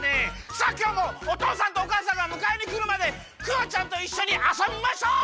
さあきょうもおとうさんとおかあさんがむかえにくるまでクヨちゃんといっしょにあそびましょう。